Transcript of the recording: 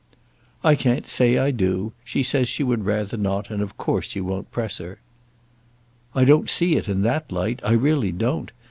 "I can't say I do. She says she would rather not, and of course you won't press her." "I don't see it in that light, I really don't.